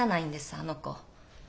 あの子。